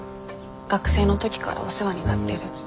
学生の時からお世話になってる。